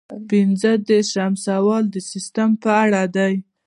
پنځه دېرشم سوال د سیسټم په اړه دی.